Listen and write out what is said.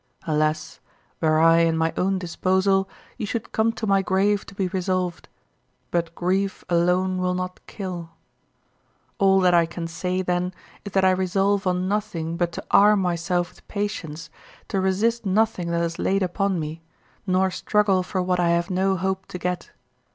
Alas! were I in my own disposal, you should come to my grave to be resolved; but grief alone will not kill. All that I can say, then, is that I resolve on nothing but to arm myself with patience, to resist nothing that is laid upon me, nor struggle for what I have no hope to get.